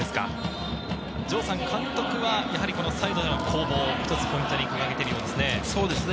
城さん、監督はサイドでの攻防、一つポイントに掲げているようですね。